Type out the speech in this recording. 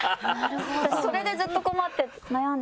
私それでずっと困って悩んでた。